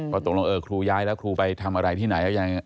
ตกลงเออครูย้ายแล้วครูไปทำอะไรที่ไหน